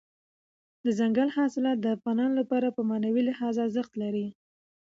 دځنګل حاصلات د افغانانو لپاره په معنوي لحاظ ارزښت لري.